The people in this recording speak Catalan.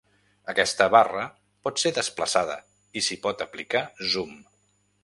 Aquesta barra pot ser desplaçada i s'hi pot aplicar zoom.